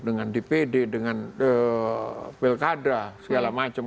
dengan dpd dengan pilkada segala macam